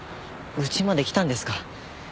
家まで来たんですか？